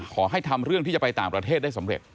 ทำเรื่องที่จะไปต่างประเทศได้สำเร็จ